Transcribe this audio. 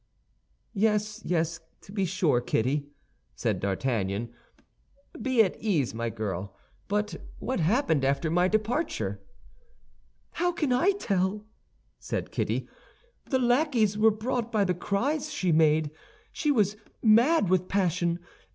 "Yes, yes, to be sure, Kitty," said D'Artagnan; "be at ease, my girl. But what happened after my departure?" "How can I tell!" said Kitty. "The lackeys were brought by the cries she made. She was mad with passion.